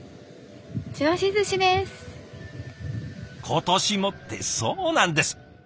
「ことしも」ってそうなんです！